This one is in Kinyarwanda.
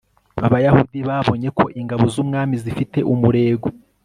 abayahudi babonye ko ingabo z'umwami zifite umurego